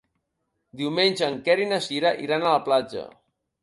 Diumenge en Quer i na Cira iran a la platja.